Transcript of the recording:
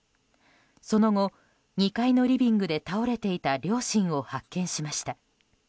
その後、２階のリビングで倒れていた両親を発見しました。